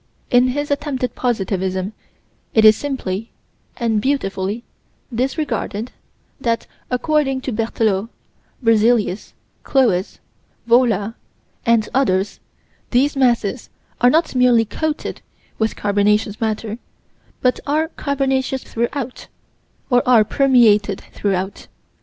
In his attempted positivism it is simply and beautifully disregarded that, according to Berthelot, Berzelius, Cloez, Wohler and others these masses are not merely coated with carbonaceous matter, but are carbonaceous throughout, or are permeated throughout.